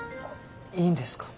いいんですか？